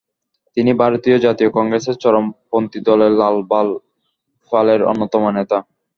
তিনি ভারতীয় জাতীয় কংগ্রেসের চরম পন্থীদলের লাল-বাল-পালের অন্যতম নেতা।